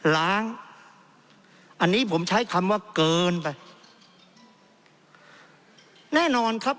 ล้างอันนี้ผมใช้คำว่าเกินไปแน่นอนครับ